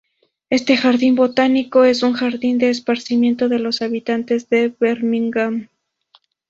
Este jardín botánico es un jardín de esparcimiento de los habitantes de Birmingham.